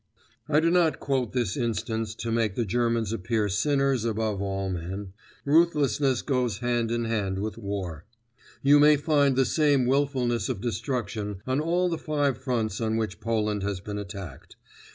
I do not quote this instance to make the Germans appear sinners above all men. Ruthlessness goes hand in hand with war. You may find the same wilfulness of destruction on all the five fronts on which Poland has been attacked.